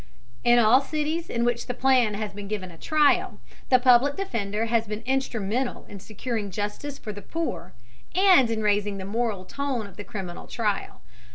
In all cities in which the plan has been given a trial, the Public Defender has been instrumental in securing justice for the poor, and in raising the moral tone of the criminal trial.